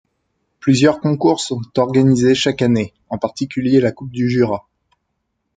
Plusieurs concours sont organisés chaque année, en particulier la coupe du Jura.